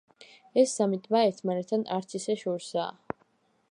ეს სამი ტბა ერთმანეთთან არც ისე შორსაა.